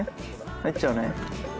入っちゃうね。